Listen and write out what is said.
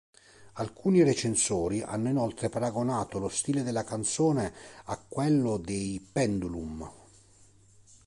Alcuni recensori hanno inoltre paragonato lo stile della canzone a quello dei Pendulum.